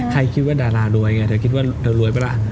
คิดว่าดารารวยไงเธอคิดว่าเธอรวยปะล่ะ